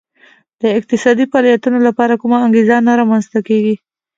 د اقتصادي فعالیتونو لپاره کومه انګېزه نه رامنځته کېږي